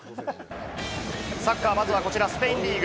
サッカー、まずはスペインリーグ。